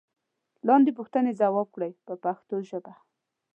لاندې پوښتنې ځواب کړئ په پښتو ژبه.